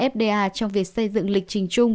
fda trong việc xây dựng lịch trình chung